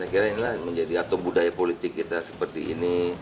apakah anda ingin menanggung saat robin saham ketika spinning sampai ini